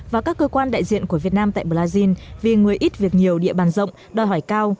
và các cơ quan đại diện của việt nam tại brazil vì người ít việc nhiều địa bàn rộng đòi hỏi cao